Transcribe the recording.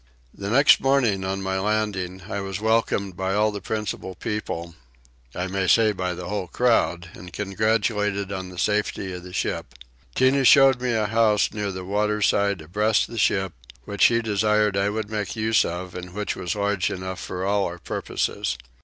The next morning on my landing I was welcomed by all the principal people; I may say by the whole crowd, and congratulated on the safety of the ship. Tinah showed me a house near the waterside abreast the ship, which he desired I would make use of and which was large enough for all our purposes.